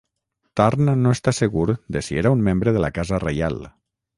Tarn no està segur de si era un membre de la casa reial.